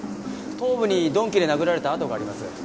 頭部に鈍器で殴られた痕があります。